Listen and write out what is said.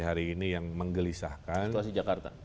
hari ini yang menggelisahkan situasi jakarta